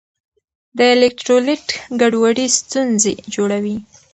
د الیکټرولیټ ګډوډي ستونزې جوړوي.